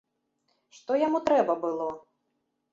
Што яму трэба было?